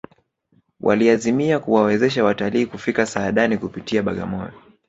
waliazimia kuwawezesha watalii kufika saadani kupitia bagamoyo